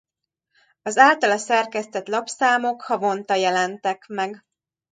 Az általa szerkesztett lapszámok havonta jelentek meg.